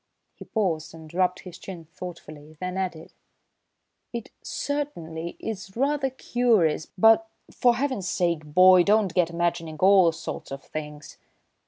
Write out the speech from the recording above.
He paused and rubbed his chin thoughtfully, then added: "It certainly is rather curious, but, for Heaven's sake, boy, don't get imagining all sorts of things!"